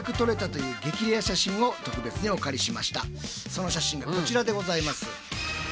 その写真がこちらでございます。